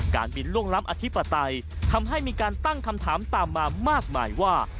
การบินล่วงล้ำอธิปไตยทำให้มีการตั้งคำถามตามมามากมายว่า